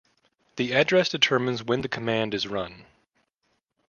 The address determines when the command is run.